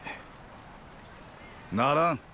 ならん。